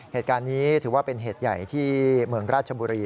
เหตุการณ์นี้ถือว่าเป็นเหตุใหญ่ที่เมืองราชบุรี